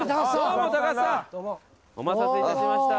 お待たせいたしました。